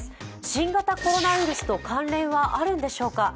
新型コロナウイルスと関連はあるんでしょうか？